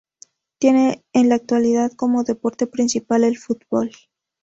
Tiene en la actualidad como deporte principal el fútbol.